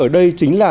ở đây chính là